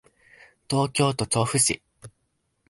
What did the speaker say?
東京都調布市